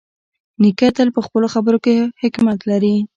نیکه تل په خپلو خبرو کې حکمت لري.